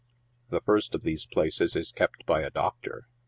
The first of these places is kept by a doctor